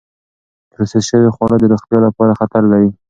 پروسس شوې خواړه د روغتیا لپاره خطر لري.